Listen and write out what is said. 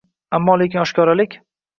Ammo-lekin oshkoralik — shallaqilik emas.